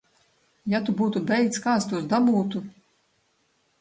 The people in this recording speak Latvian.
Ja tu būtu beigts, kā es tos dabūtu?